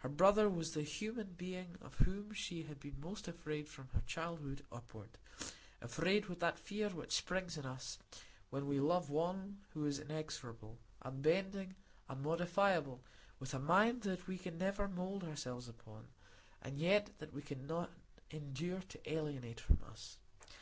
Her brother was the human being of whom she had been most afraid from her childhood upward; afraid with that fear which springs in us when we love one who is inexorable, unbending, unmodifiable, with a mind that we can never mould ourselves upon, and yet that we cannot endure to alienate from us.